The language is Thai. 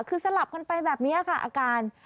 คือสลับกันไปแบบนี้ค่ะอาการ